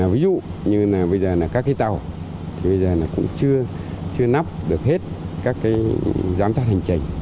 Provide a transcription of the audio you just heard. ví dụ như là bây giờ là các cái tàu thì bây giờ cũng chưa nắm được hết các cái giám sát hành trình